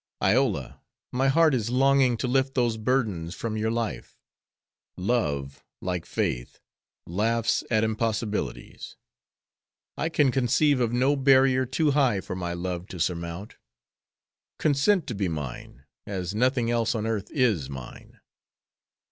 "Iola, my heart is longing to lift those burdens from your life. Love, like faith, laughs at impossibilities. I can conceive of no barrier too high for my love to surmount. Consent to be mine, as nothing else on earth is mine."